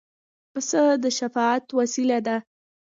پسه د شفاعت وسیله ده.